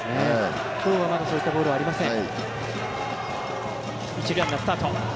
今日は、まだそういったボールはありません。